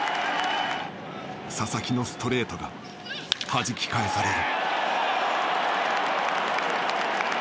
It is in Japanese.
佐々木のストレートがはじき返される。